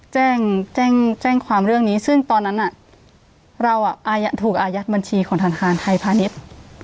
แจ้งแจ้งความเรื่องนี้ซึ่งตอนนั้นเราถูกอายัดบัญชีของธนาคารไทยพาณิชย์